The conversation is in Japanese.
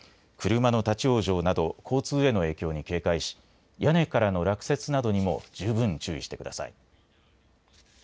車の立往生など交通への影響に警戒し屋根からの落雪などにも十分注意してください。